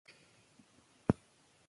موږ د خپل کلتور ارزښتونه په ګډه پالو.